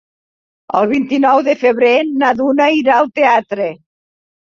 El vint-i-nou de febrer na Duna irà al teatre.